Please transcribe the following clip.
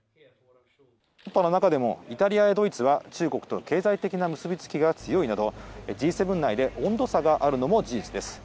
イタリアやドイツは中国との経済的な結び付きが強いなど、Ｇ７内で温度差があるのも事実です。